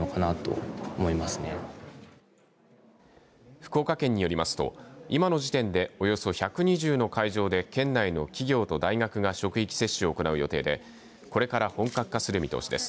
福岡県によりますと今の時点でおよそ１２０の会場で県内の企業と大学が職域接種を行う予定でこれから本格化する見通しです。